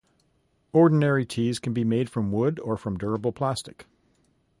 Ordinary tees can be made from wood or from durable plastic.